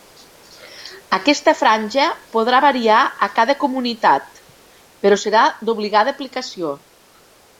Aquesta franja podrà variar a cada comunitat, però serà d’obligada aplicació.